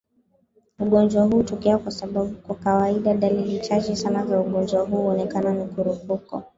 ugonjwa huu hutokea kwa kawaida dalili chache sana za ugonjwa huu huonekana Mikurupuko